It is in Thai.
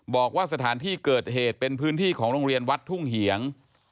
บอกว่าสถานที่เกิดเหตุเป็นพื้นที่ของโรงเรียนวัดทุ่งเหียง